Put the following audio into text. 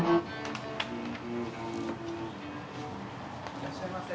・・いらっしゃいませ。